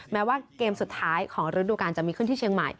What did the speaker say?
แม้ว่าเกมสุดท้ายของฤดูการจะมีขึ้นที่เชียงใหม่